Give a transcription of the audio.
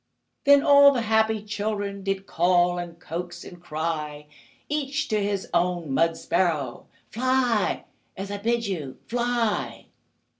Then all the happy children Did call, and coax, and cry Each to his own mud sparrow: "Fly, as I bid you! Fly!"